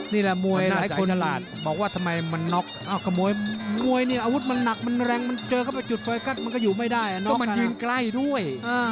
นี่แหละมวยหลายคนบอกว่าทำไมมันน็อคอ้าวขโมยมวยนี่อาวุธมันหนักมันแรงมันเจอกับจุดไฟกัสมันก็อยู่ไม่ได้มันยืนใกล้ด้วยอ่า